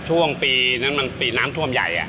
ช่วงปีนั้นมันปีน้ำท่วมใหญ่